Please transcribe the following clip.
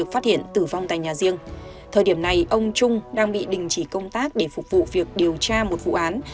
phong tại nhà riêng thời điểm này ông trung đang bị đình chỉ công tác để phục vụ việc điều tra một vụ án